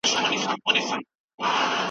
د پانګي راکد کيدلو اقتصاد ته زيان ورساوه.